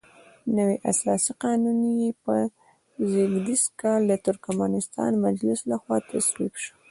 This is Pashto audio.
نوی اساسي قانون یې په زېږدیز کال د ترکمنستان مجلس لخوا تصویب شو.